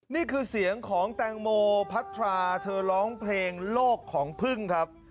นี่คือเสียงของแตงโมพัทราเธอร้องเพลงโลกของพึ่งครับ